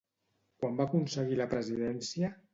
Quan va aconseguir la presidència?